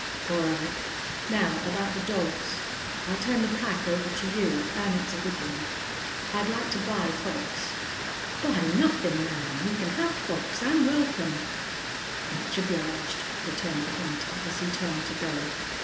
"All right. Now about the dogs. I turn the pack over to you, an' it's a good one. I'd like to buy Fox." "Buy nothin', man. You can have Fox, an' welcome." "Much obliged," returned the hunter, as he turned to go.